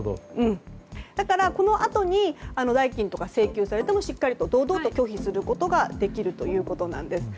だからこのあとに代金を請求されてもしっかりと堂々と拒否することができるんです。